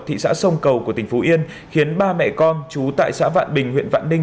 thị xã sông cầu của tỉnh phú yên khiến ba mẹ con chú tại xã vạn bình huyện vạn ninh